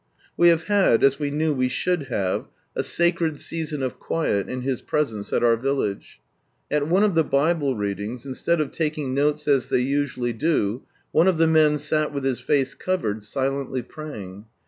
We have had, as we knew we should have, a sacred season of quiet in His Presence at our village. At one of the Bible readings, instead of taking notes as they usually do, one of the men sat with his face covered, silently praying.